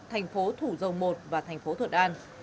thành phố thủ dầu một và thành phố thuận an